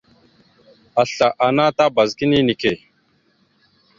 Asla ana tabaz kini neke.